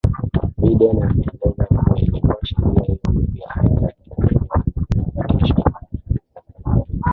biden ameeleza kuwa ikiwa sheria hiyo mpya haitatungwa na kupitishwa haraka iwezekanavyo